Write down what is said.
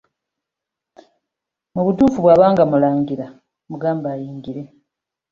Mu butuufu, bwaba nga mulangira mugambe ayingire.